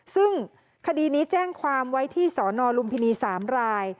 ซึ่งคดีนี้แจ้งความไว้ที่สนลุมพินี๓ราย